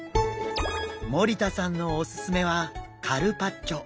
森田さんのおすすめはカルパッチョ。